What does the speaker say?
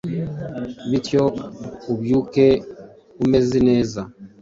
bityo ubyuke umeze neza.